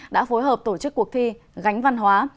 đã phối hợp tổ chức cuộc thi gánh văn hóa